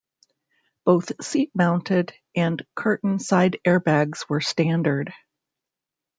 Both seat-mounted and curtain side airbags were standard.